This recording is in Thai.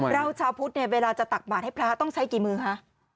เราชาวพุทธเนี่ยเวลาจะตักบาทให้พระต้องใช้กี่มือคะ